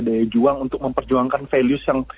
daya juang untuk memperjuangkan values yang